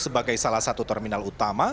sebagai salah satu terminal utama